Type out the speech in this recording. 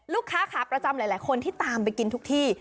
ขาประจำหลายคนที่ตามไปกินทุกที่